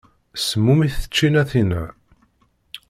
Semmumit tčinatin-a.